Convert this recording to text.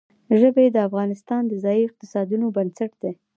ژبې د افغانستان د ځایي اقتصادونو بنسټ دی.